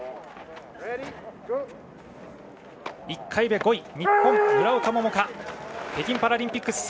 １回目５位日本、村岡桃佳北京パラリンピック